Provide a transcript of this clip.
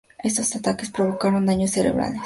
Estos ataques provocaron daños cerebrales.